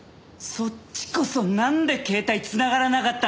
そっちこそなんで携帯繋がらなかったんですか？